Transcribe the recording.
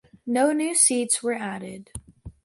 No new seats were added.